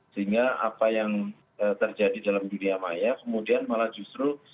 sehingga apa yang terjadi dalam dunia maya kemudian malah justru